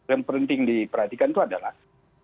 yang penting diperhatikan itu adalah